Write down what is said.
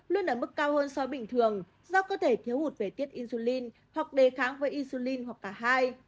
luôn ở mức cao hơn so với bình thường do cơ thể thiếu hụt về tiết insulin hoặc đề kháng với insulin hoặc cả hai